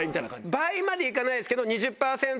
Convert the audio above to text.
倍まで行かないですけど。